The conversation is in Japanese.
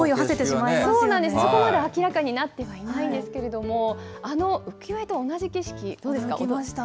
そうなんです、そこはまだ明らかになっていないんですけれども、あの浮世絵と同じ景色、どう驚きました。